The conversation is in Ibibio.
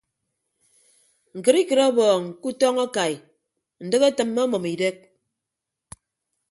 Ñkịtikịt ọbọọñ ke utọñ akai ndịk etịmme ọmʌm idek.